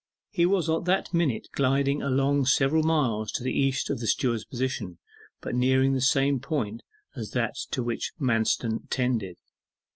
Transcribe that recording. He was at that minute gliding along several miles to the east of the steward's position, but nearing the same point as that to which Manston tended.